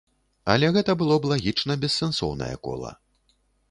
Але гэта было б лагічна бессэнсоўнае кола.